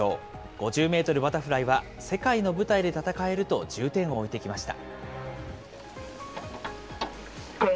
５０メートルバタフライは世界の舞台で戦えると重点を置いてきました。